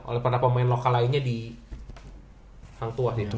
oleh para pemain lokal lainnya di hantuah gitu